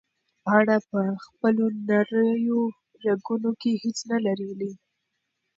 پاڼه په خپلو نریو رګونو کې هیڅ نه لري.